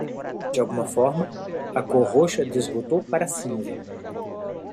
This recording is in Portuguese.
De alguma forma, a cor roxa desbotou para cinza.